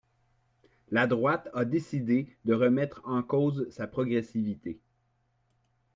La droite a décidé de remettre en cause sa progressivité.